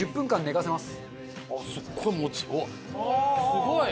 すごい！